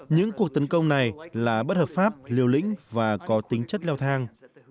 những cuộc tấn công này là bất hợp pháp liều lĩnh và có tính chất leo thang